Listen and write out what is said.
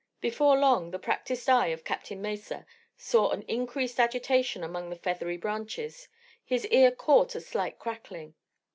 Before long the practised eye of Captain Mesa saw an increased agitation among the feathery branches, his ear caught a slight crackling.